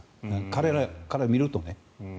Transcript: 彼らから見るとね。